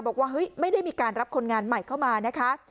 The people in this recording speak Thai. บอกว่าเฮ้ยไม่ได้มีการรับคนงานใหม่เข้ามานะคะ